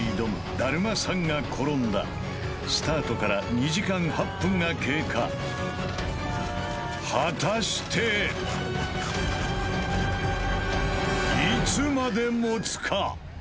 「だるまさんが転んだ」スタートから２時間８分が経過果たしてイツマデモツカ？